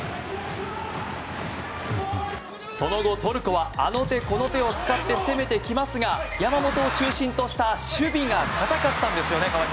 その後トルコはあの手この手を使って攻めてきますが山本を中心とした守備が堅かったんですよね。